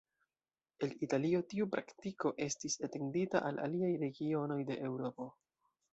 El Italio tiu praktiko estis etendita al aliaj regionoj de Eŭropo.